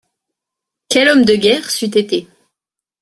Quel homme de guerre c'eût été !